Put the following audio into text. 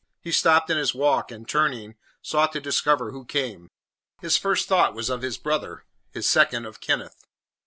He stopped in his walk, and, turning, sought to discover who came. His first thought was of his brother; his second, of Kenneth.